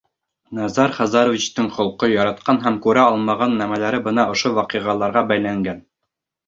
Назар Хазаровичтың холҡо, яратҡан һәм күрә алмаған нәмәләре бына ошо ваҡиғаларға бәйләнгән.